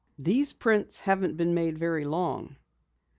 "These prints haven't been made very long."